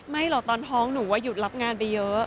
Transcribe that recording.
ไม่เหรอตอนท้องหนูอะหยุดรับงานไปเยอะ